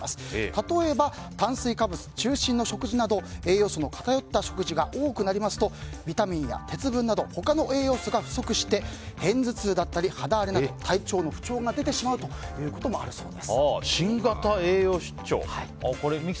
例えば、炭水化物中心の食事など栄養素の偏った食事が多くなりますとビタミンや鉄分など他の栄養素が不足して片頭痛や肌荒れなど体調の不調が出てしまうことも新型栄養失調。